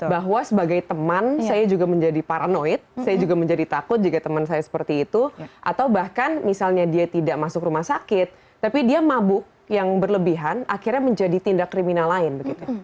bahwa sebagai teman saya juga menjadi paranoid saya juga menjadi takut jika teman saya seperti itu atau bahkan misalnya dia tidak masuk rumah sakit tapi dia mabuk yang berlebihan akhirnya menjadi tindak kriminal lain begitu